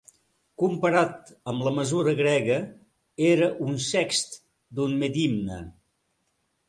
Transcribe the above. Comparat amb la mesura grega era un sext d'un medimne.